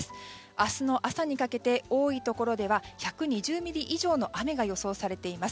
明日の朝にかけて多いところでは１２０ミリ以上の雨が予想されています。